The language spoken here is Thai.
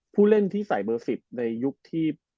ผู้เล่นที่ใส่เบอร์๑๐ในยุคที่